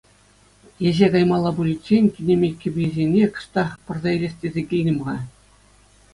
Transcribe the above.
Еҫе каймалла пуличчен кинемей кӗписене кӑштах пӑрса илес тесе килтӗм-ха.